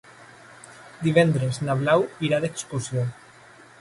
Divendres na Blau irà d'excursió.